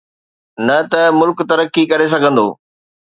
نه ته ملڪ ترقي ڪري سگهندو.